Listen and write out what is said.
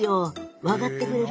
分かってくれる？